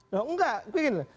ya enggak begini loh